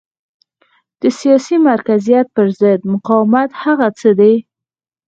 د سیاسي مرکزیت پرضد مقاومت هغه څه دي.